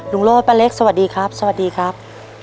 ลุงโลธป้าเล็กสวัสดีครับ